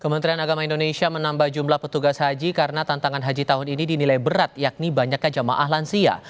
kementerian agama indonesia menambah jumlah petugas haji karena tantangan haji tahun ini dinilai berat yakni banyaknya jamaah lansia